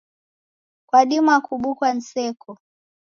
Kwadima kubukwa ni seko.